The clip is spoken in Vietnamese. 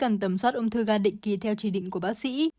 cần tầm soát ung thư ga định kỳ theo chỉ định của bác sĩ